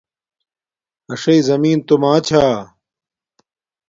اݽݵ زمین توما چھا